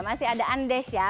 masih ada andes ya